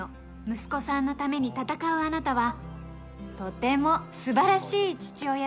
「息子さんのために戦うあなたはとても素晴らしい父親だわ」